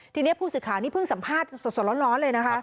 ทีนี้ผู้สื่อข่าวนี่เพิ่งสัมภาษณ์สดร้อนเลยนะคะ